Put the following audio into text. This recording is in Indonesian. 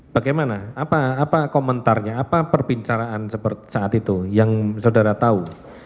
bagaimana apa komentarnya apa perbincangan saat itu yang saudara tahu